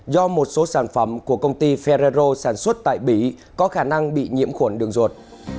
do một số sản phẩm của công ty ferrero sản xuất tại bỉ có khả năng bị nhiễm khuẩn đường ruột